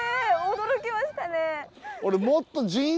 驚きましたね。